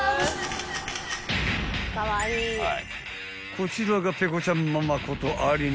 ［こちらがペコちゃんママこと］